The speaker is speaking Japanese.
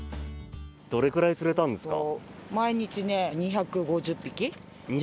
どれくらい釣れたんですか？